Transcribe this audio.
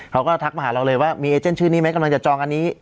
ทักมาหาเราเลยว่ามีไอเจนชื่อนี้ไหมกำลังจะจองอันนี้